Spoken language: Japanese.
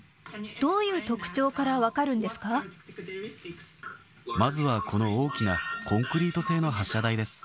どういう特徴から分かるんでまずは、この大きなコンクリート製の発射台です。